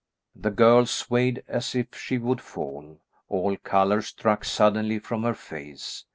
The girl swayed as if she would fall, all colour struck suddenly from her face.